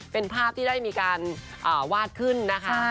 เป็นภาพที่ได้มีการวาดขึ้นนะคะ